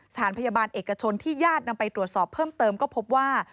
สถานพยาบาลเอกชนที่ญาตินำไปตรวจสอบเพิ่มเติมก็พบว่า